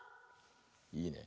いいね。